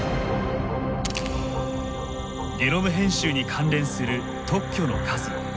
ゲノム編集に関連する特許の数。